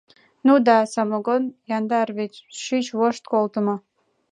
— Ну да, самогон... яндар вет, шӱч вошт колтымо...